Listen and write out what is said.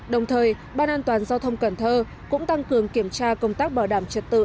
đồng thời ban an toàn giao thông cần thơ cũng tăng cường kiểm tra công tác bảo đảm trật tự